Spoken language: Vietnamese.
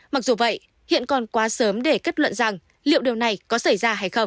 mặc dù vậy hiện còn quá sớm để kết luận rằng liệu điều này có xảy ra hay không